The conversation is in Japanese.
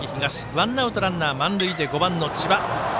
ワンアウト、ランナー満塁で５番、千葉。